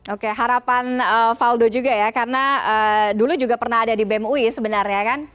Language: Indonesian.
oke harapan valdo juga ya karena dulu juga pernah ada di bemui sebenarnya kan